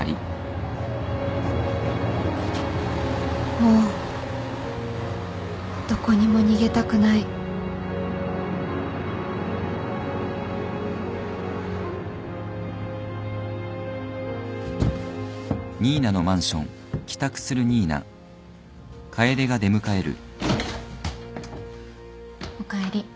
もうどこにも逃げたくないおかえり。